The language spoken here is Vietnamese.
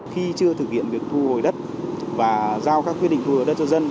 khi chưa thực hiện việc thu hồi đất và giao các quyết định thu hồi đất cho dân